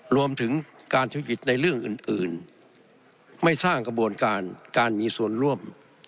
รวมถึงการทุจริตในเรื่องอื่นไม่สร้างกระบวนการการมีส่วนร่วม